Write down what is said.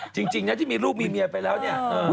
จริงนะที่มีลูกมีเมียไปแล้วเนี่ย